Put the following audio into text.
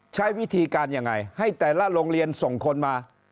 ใช้วิธีการยังไงให้แต่ละโรงเรียนส่งคนมา